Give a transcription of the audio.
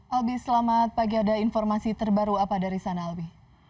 albi selamat pagi ada informasi terbaru apa dari sana albi